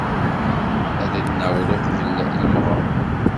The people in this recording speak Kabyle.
Ad at-naweḍ uqbel n lmeɣreb.